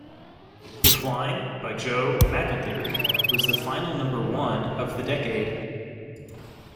"The Climb" by Joe McElderry was the final number one of the decade.